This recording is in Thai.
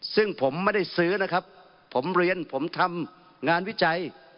ซึ่งผมไม่ได้ซื้อนะครับผมเรียนผมทำงานวิจัย